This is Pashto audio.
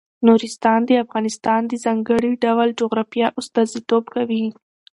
نورستان د افغانستان د ځانګړي ډول جغرافیه استازیتوب کوي.